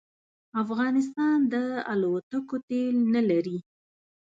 افغانستان د الوتکو تېل نه لري